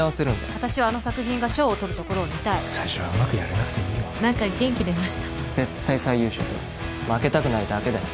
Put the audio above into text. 私はあの作品が賞をとるところを見たい最初はうまくやれなくていいよ何か元気出ました絶対最優秀とる負けたくないだけだよ